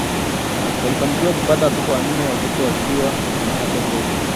Walifanikiwa kupata watoto wanne, wote wakiwa na afya tele